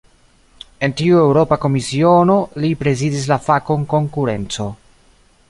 En tiu Eŭropa Komisiono, li prezidis la fakon "konkurenco".